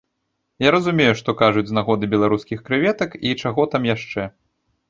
Я разумею, што кажуць з нагоды беларускіх крэветак і чаго там яшчэ.